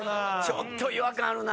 ちょっと違和感あるな。